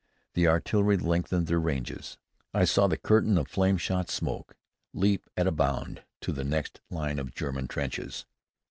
The artillery lengthened their ranges. I saw the curtain of flame shot smoke leap at a bound to the next line of German trenches.